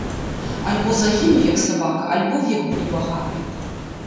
Альбо загіну, як сабака, альбо век буду багаты!